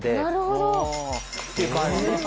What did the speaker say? なるほど。って感じ。